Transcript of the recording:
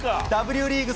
Ｗリーグ